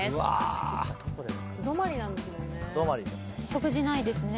食事ないですね。